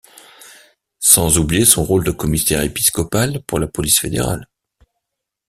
Sans oublier son rôle de commissaire épiscopal pour la police fédérale.